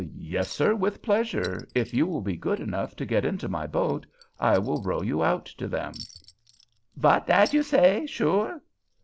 "Yes, sir, with pleasure; if you will be good enough to get into my boat, I will row you out to them!" "Vat dat you say, sure?"